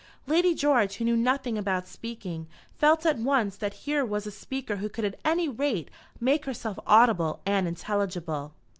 Lady George, who knew nothing about speaking, felt at once that here was a speaker who could at any rate make herself audible and intelligible.